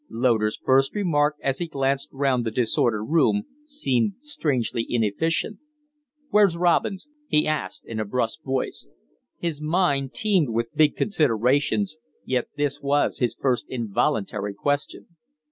Loder's first remark as he glanced round the disordered room seemed strangely inefficient. "Where's Robins?" he asked, in a brusque voice. His mind teemed with big considerations, yet this was his first involuntary question.